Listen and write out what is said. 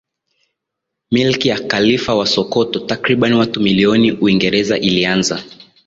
milki ya Khalifa wa Sokoto takriban watu milioni Uingereza ilianza